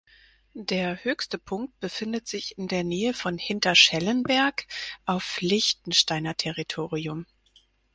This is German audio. Der höchste Punkt befindet sich in der Nähe von Hinter-Schellenberg, auf Liechtensteiner Territorium.